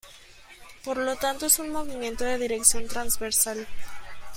Por lo tanto es un movimiento de dirección transversal.